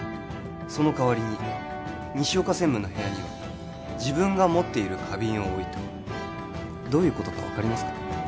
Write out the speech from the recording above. そのかわりに西岡専務の部屋には自分が持っている花瓶を置いたどういうことか分かりますか？